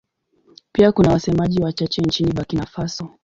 Pia kuna wasemaji wachache nchini Burkina Faso.